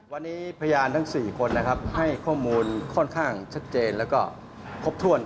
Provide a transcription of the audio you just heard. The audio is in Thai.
วันนี้พยานทั้ง๔คนนะครับให้ข้อมูลค่อนข้างชัดเจนแล้วก็ครบถ้วน